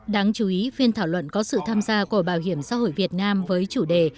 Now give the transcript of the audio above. đáng chú ý phiên thảo luận có sự tham gia của bảo hiểm xã hội việt nam với chủ đề